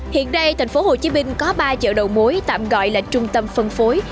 hiện đây thành phố hồ chí minh có ba chợ đầu mối tạm gọi là trung tâm phân phối